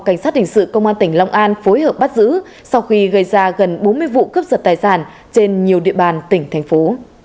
cảnh sát hình sự công an tỉnh long an phối hợp bắt giữ sau khi gây ra gần bốn mươi vụ cướp giật tài sản trên nhiều địa bàn tỉnh thành phố